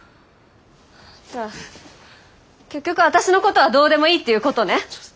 じゃあ結局私のことはどうでもいいっていうことね？